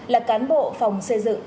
là cán bộ phòng xây dựng